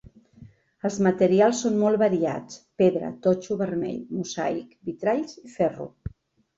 Els materials són molt variats: pedra, totxo vermell, mosaic, vitralls i ferro.